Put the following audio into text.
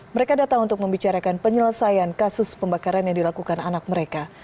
mereka datang untuk membicarakan penyelesaian kasus pembakaran yang dilakukan anak mereka